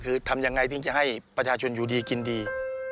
คือทำยังไงถึงจะให้ประชาชนอยู่ดีกินดี